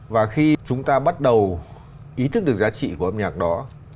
và khi chúng ta bắt đầu ý thức được giá trị của âm nhạc đó